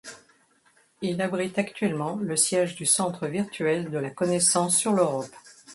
Il abrite actuellement le siège du Centre virtuel de la connaissance sur l'Europe.